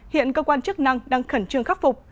hiện cơ quan chức năng đang khẩn trương khắc phục